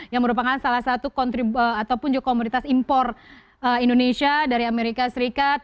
yang merupakan salah satu ataupun juga komoditas impor indonesia dari amerika serikat